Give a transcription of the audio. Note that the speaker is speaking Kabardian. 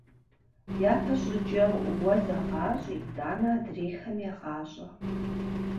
Япэ щӏыкӏэ уэ зэгъащӏи итӏанэ адрейхэм егъащӏэ.